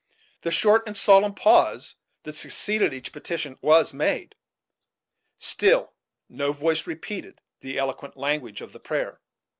The short and solemn pause that succeeded each petition was made; still no voice repeated the eloquent language of the prayer.